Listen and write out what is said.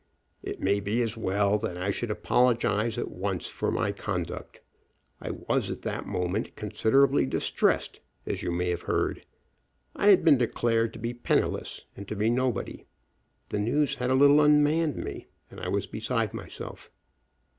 "It may be as well that I should apologize at once for my conduct. I was at that moment considerably distressed, as you may have heard. I had been declared to be penniless, and to be nobody. The news had a little unmanned me, and I was beside myself."